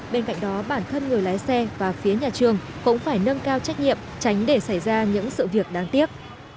bên cạnh đó bản thân người lái xe và phía nhà trường cũng phải nâng cao trách nhiệm tránh để xảy ra những sự việc đáng tiếc